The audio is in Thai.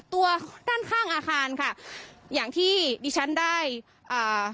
ตัวด้านข้างอาคารค่ะอย่างที่ดิฉันได้อ่า